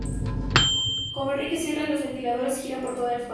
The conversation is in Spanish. Como Enrique Sierra y los Ventiladores giró por toda España.